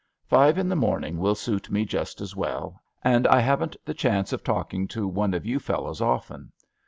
Five in the morning will suit me just as well, and I haven't the chance of talking to one of you fellows often.